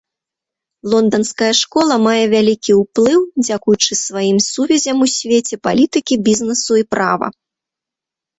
Лонданская школа мае вялікі ўплыў, дзякуючы сваім сувязям у свеце палітыкі, бізнесу і права.